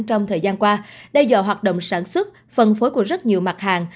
trong thời gian qua đe dọa hoạt động sản xuất phân phối của rất nhiều mặt hàng